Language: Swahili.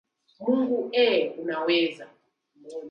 Mungu eee, unaweza